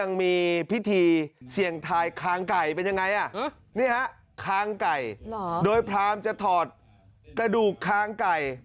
นี่ฮะคางไก่โดยพรามจะถอดกระดูกคางไก่